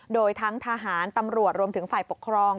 โดยทั้งทหารตำรวจรวมถึงฝ่ายปกครอง